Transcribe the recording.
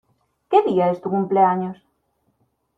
¿Qué día es tu cumpleaños?